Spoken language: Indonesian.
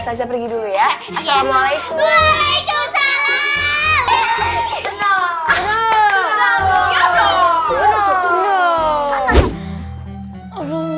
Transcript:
saya pergi dulu ya assalamualaikum